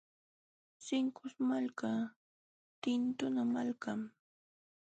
Sinkus malka tinkuna malkam.